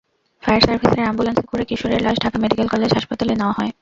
Fire সার্ভিসের অ্যাম্বুলেন্সে করে কিশোরের লাশ ঢাকা মেডিকেল কলেজ হাসপাতালে নেওয়া হয়।